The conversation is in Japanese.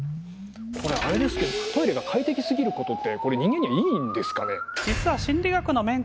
これあれですけどトイレが快適すぎることって人間にはいいんですかね？